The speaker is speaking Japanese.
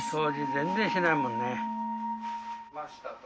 全然しないもんね。